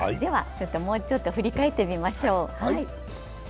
もうちょっと振り返ってみましょう。